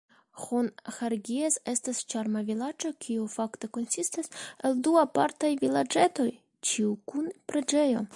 Hon-Hergies estas ĉarma vilaĝo, kiu fakte konsistas el du apartaj vilaĝetoj, ĉiu kun preĝejo.